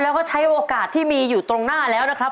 แล้วก็ใช้โอกาสที่มีอยู่ตรงหน้าแล้วนะครับ